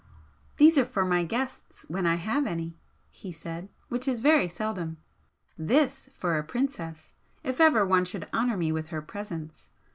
"These are for my guests when I have any," he said, "Which is very seldom. This for a princess if ever one should honour me with her presence!"